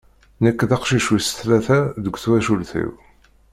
Nek d aqcic wis tlata deg twacult-iw.